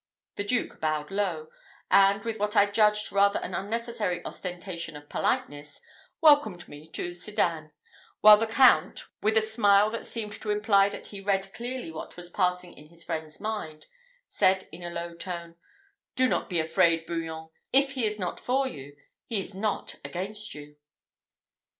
The Duke bowed low, and, with what I judged rather an unnecessary ostentation of politeness, welcomed me to Sedan; while the Count, with a smile that seemed to imply that he read clearly what was passing in his friend's mind, said in a low tone, "Do not be afraid, Bouillon: if he is not for you, he is not against you."